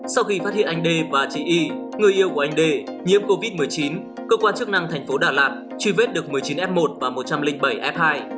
sau khi phát hiện anh đê và chị y người yêu của anh đê nhiễm covid một mươi chín cơ quan chức năng thành phố đà lạt truy vết được một mươi chín f một và một trăm linh bảy f hai